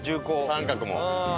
三角も。